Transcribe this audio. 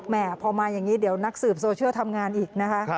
พอมาอย่างนี้เดี๋ยวนักสืบโซเชียลทำงานอีกนะคะ